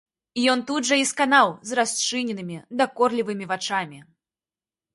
Ён тут жа і сканаў з расчыненымі дакорлівымі вачамі.